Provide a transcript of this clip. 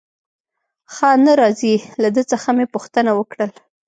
ښه نه راځي، له ده څخه مې پوښتنه وکړل.